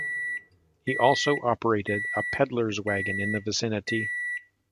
He also operated a peddler's wagon in the vicinity.